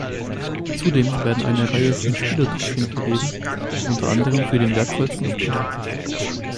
Zudem werden eine Reihe von Spielertrophäen vergeben, unter anderem für den Wertvollsten Spieler.